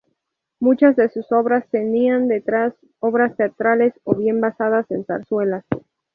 Muchas de sus obras tenían detrás obras teatrales, o bien basadas en zarzuelas.